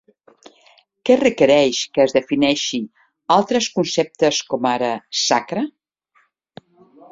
Què requereix que es defineixi altres conceptes com ara "sacre"?